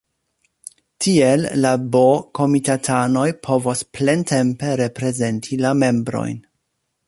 Tiel la B-komitatanoj povos plentempe reprezenti la membrojn.